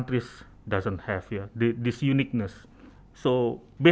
jadi berdasarkan indeks penggunaan harga